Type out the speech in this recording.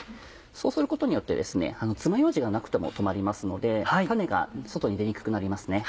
そうすることによってつまようじがなくても留まりますのでタネが外に出にくくなりますね。